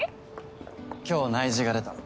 今日内示が出た。